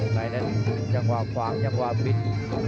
ใครนั้นจังหว่าขวางจังหว่าวิทย์